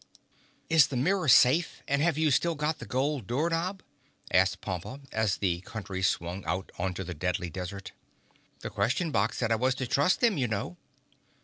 "Is the mirror safe, and have you still got the gold door knob?" asked Pompa, as the Country swung out onto the Deadly Desert. "The Question Box said I was to trust them, you know."